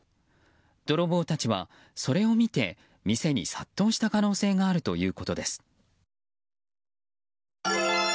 泥棒たちはそれを見て店に殺到した可能性があるということです。